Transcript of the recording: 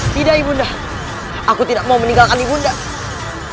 tidak ibu dami aku tidak mau meninggalkan ibu dami